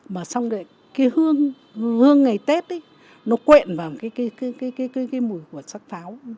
mà xong rồi cái hương hương ngày tết ấy nó quẹn vào cái mùi của sắc pháo